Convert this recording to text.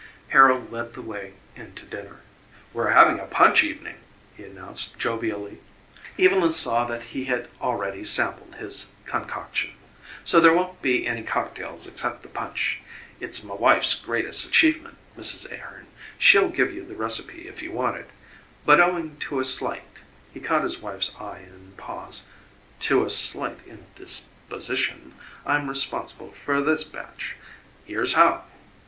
Harold led the way into dinner. "We're having a punch evening," he announced jovially Evylyn saw that he had already sampled his concoction "so there won't be any cocktails except the punch. It's m' wife's greatest achievement, Mrs. Ahearn; she'll give you the recipe if you want it; but owing to a slight" he caught his wife's eye and paused "to a slight indisposition; I'm responsible for this batch. Here's how!"